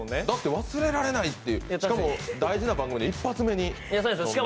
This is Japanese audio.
だって、忘れられないって、しかも大事な番組の１発目で。